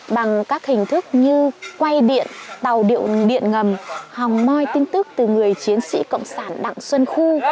bằng các hình thức như quay điện tàu điệu điện ngầm hòng môi tin tức từ người chiến sĩ cộng sản đảng xuân khu